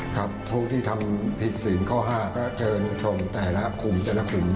ครับพวกที่ทำผิดศีลข้อ๕ก็เชิญชมแต่ละคลุมจรกลุ่ม